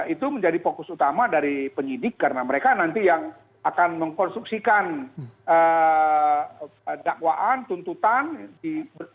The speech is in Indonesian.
itu menjadi fokus utama dari penyidik karena mereka yang akan mengkonstruksikan dakwaan dan tuntutan dibantu oleh penyidik